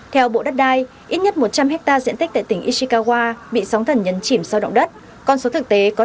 theo bộ đất đai ít nhất một trăm linh hectare diện tích tại tỉnh ishikawa bị sóng thần nhấn chìm sau động đất con số thực tế có